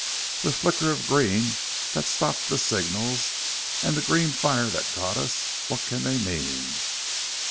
"The flicker of green that stopped the signals, and the green fire that got us what can they mean?"